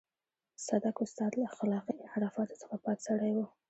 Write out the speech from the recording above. صدک استاد له اخلاقي انحرافاتو څخه پاک سړی و.